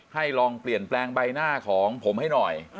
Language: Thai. ให้ลองเปลี่ยนแปลงใบหน้าของผมให้หน่อย